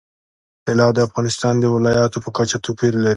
طلا د افغانستان د ولایاتو په کچه توپیر لري.